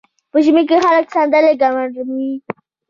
په ژمي کې خلک صندلۍ ګرموي.